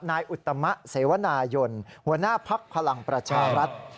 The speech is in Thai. อุตมะเสวนายนหัวหน้าภักดิ์พลังประชารัฐ